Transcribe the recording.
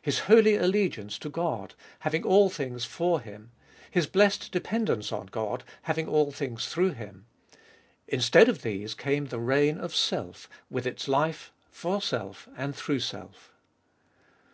His holy allegiance to God, having all things for Him, his blessed dependence on God, having all things through Him ; instead of these came the reign of self, with its life for self and through self.